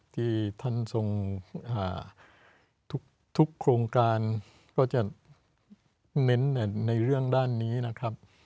ที่ท่านทรงทุกโครงการก็จะเน้นในเรื่องด้านนี้นะครับ